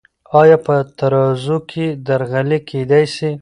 آیا په ترازو کې درغلي کیدی سی؟